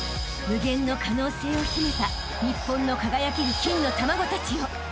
［無限の可能性を秘めた日本の輝ける金の卵たちよ］